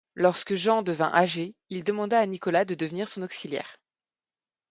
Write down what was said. Lorsque Jean devint âgé, il demanda à Nicolas de devenir son auxiliaire.